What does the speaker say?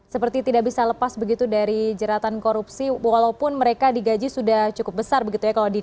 seperti tidak bisa lepas begitu dari jeratan korupsi walaupun mereka digaji sudah cukup besar begitu ya